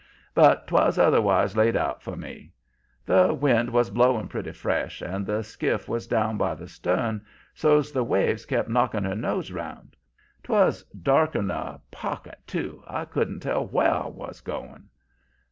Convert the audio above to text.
But 'twas otherwise laid out for me. The wind was blowing pretty fresh, and the skiff was down by the stern, so's the waves kept knocking her nose round. 'Twas dark'n a pocket, too. I couldn't tell where I WAS going.